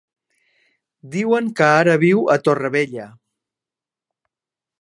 Diuen que ara viu a Torrevella.